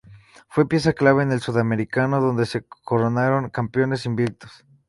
Fue pieza clave en el Sudamericano donde se coronaron campeones invictos.